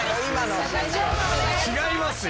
違いますよ。